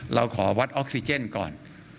เราขอวัดออกซิเจนก่อน